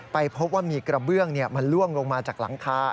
พบว่ามีกระเบื้องมันล่วงลงมาจากหลังคา